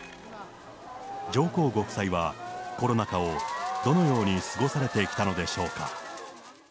上皇ご夫妻はコロナ禍をどのように過ごされてきたのでしょうか。